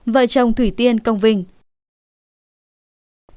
vợ chồng thủy tiên công vinh